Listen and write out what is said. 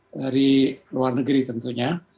dari luar negeri tentunya